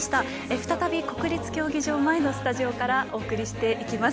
再び国立競技場前のスタジオからお送りしていきます。